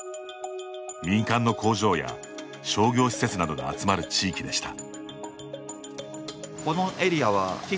民間の工場や商業施設などが集まる地域でした。